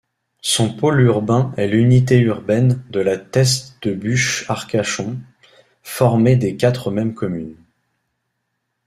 Son pôle urbain est l'unité urbaine de La Teste-de-Buch-Arcachon, formée des quatre mêmes communes.